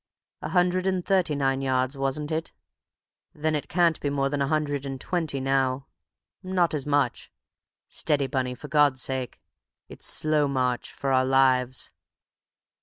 A hundred and thirty nine yards, wasn't it? Then it can't be more than a hundred and twenty now—not as much. Steady, Bunny, for God's sake. It's slow march—for our lives."